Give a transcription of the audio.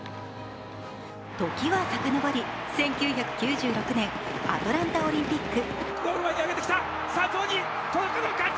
時はさかのぼり１９９６年、アトランタオリンピック。